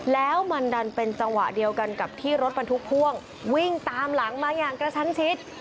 แล้วมันดันเป็นจังหวะเดียวกันกับที่รถบรรทุกพ่วงวิ่งตามหลังมาอย่างกระชั้นชิด